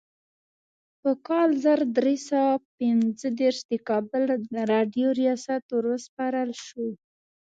په کال زر درې سوه پنځه دیرش د کابل راډیو ریاست وروسپارل شو.